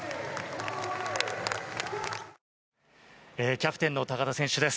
キャプテンの高田選手です。